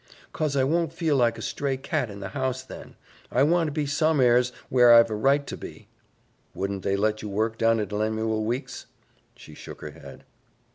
"'Cause I won't feel like a stray cat in the house then. I want to be some'ers where I've a right to be." "Wouldn't they let you work down at Lemuel Weeks'?" She shook her head.